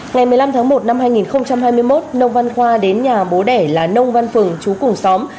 ngày một mươi năm tháng một năm hai nghìn hai mươi một nông văn khoa đến nhà bố đẻ là nông văn phường chú cùng xóm